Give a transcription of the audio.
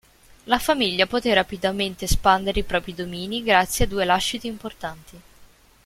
La famiglia poté rapidamente espandere i propri domini grazie a due lasciti importanti.